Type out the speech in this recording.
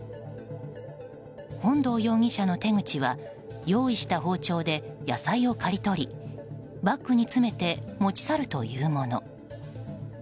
本堂容疑者の手口は用意した包丁で野菜を刈り取り、バッグに詰めて持ち去るというもの。